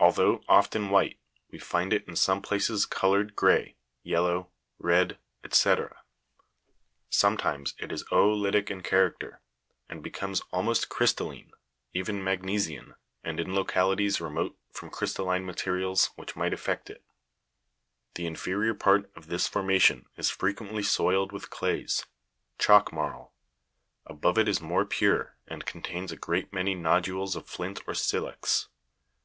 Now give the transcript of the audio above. Although often white, we find it in some places coloured grey, yellow, red, &c. ; 15. How is the upper chalk formation characterized ? 7 74 UPPER CHALK FORMATIONS. sometimes it is o'olitic in character, and becomes almost crystalline, even magnesian, and in localities remote from crystalline materials which might affect it. The inferior part of this formation is fre quently soiled with clays chalk marl. Above it is more pure, and contains a great many nodules of flint or silex.